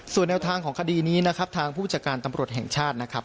ส่วนแนวทางของคดีนี้นะครับทางผู้จัดการตำรวจแห่งชาตินะครับ